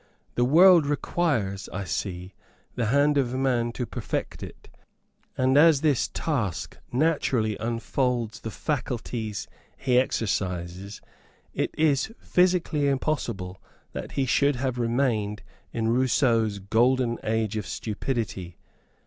The world requires, I see, the hand of man to perfect it, and as this task naturally unfolds the faculties he exercises, it is physically impossible that he should have remained in Rousseau's golden age of stupidity.